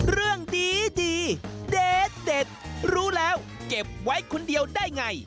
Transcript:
เรื่องดีเด็ดรู้แล้วเก็บไว้คนเดียวได้ไง